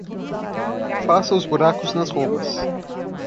Faça os buracos nas roupas